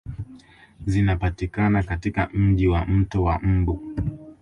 Zinapatikana katika Mji wa mto wa mbu